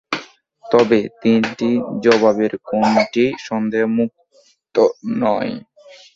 তবে তিনটি জবাবের কোনটিই সন্দেহমুক্ত নয়।